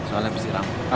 soalnya bisa diramah